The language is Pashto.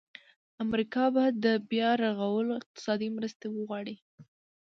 امریکا به د بیا رغولو اقتصادي مرستې وغواړي.